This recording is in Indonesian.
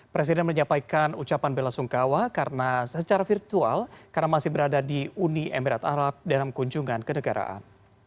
presiden menyampaikan ucapan bela sungkawa karena secara virtual karena masih berada di uni emirat arab dalam kunjungan ke negaraan